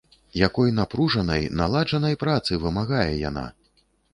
Якой напружанай, наладжанай працы вымагае яна!